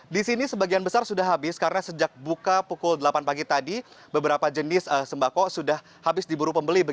di sini sebagian besar sudah habis karena sejak buka pukul delapan pagi tadi beberapa jenis sembako sudah habis diburu pembeli